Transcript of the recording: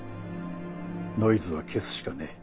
ノイズは消すしかねえ。